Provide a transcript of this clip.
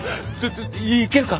行けるか？